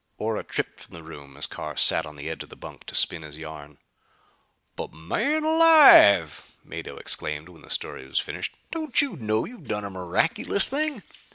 Ora tripped from the room as Carr sat on the edge of the bunk to spin his yarn. "But man alive!" Mado exclaimed when the story was finished. "Don't you know you've done a miraculous thing?